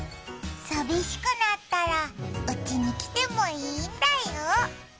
寂しくなったらうちに来てもいいんだよ。